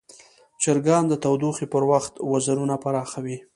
چرګان د تودوخې پر وخت وزرونه پراخوي.